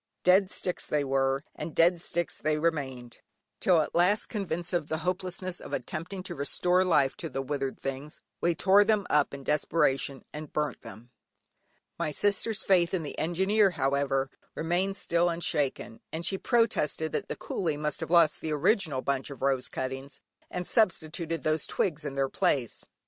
Dead sticks they were, and dead sticks they remained, till at last convinced of the hopelessness of attempting to restore life to the withered things, we tore them up in desperation and burnt them. My sister's faith in the Engineer, however, remained still unshaken, and she protested that the coolie must have lost the original bundle of rose cuttings, and substituted these twigs in their place.